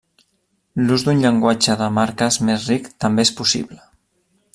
L'ús d'un llenguatge de marques més ric també és possible.